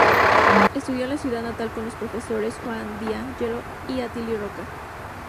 Estudió en su ciudad natal con los profesores Juan D’Ángelo y Atilio Roca.